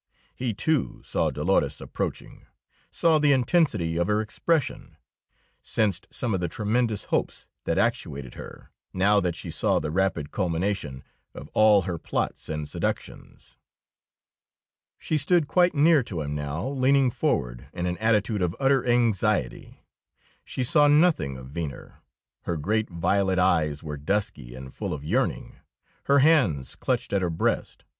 He, too, saw Dolores approaching; saw the tensity of her expression; sensed some of the tremendous hopes that actuated her, now that she saw the rapid culmination of all her plots and seductions. She stood quite near to him now, leaning forward in an attitude of utter anxiety. She saw nothing of Venner; her great, violet eyes were dusky and full of yearning, her hands clutched at her breast.